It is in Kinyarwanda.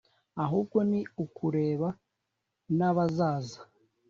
ahubwo ni ukureba nabazaza